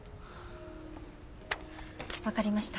わかりました。